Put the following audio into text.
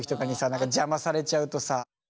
何か邪魔されちゃうとさ。